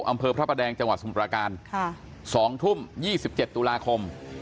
อำเภอพระประแดงจังหวัดสมุทราการ๒ทุ่ม๒๗ตุลาคม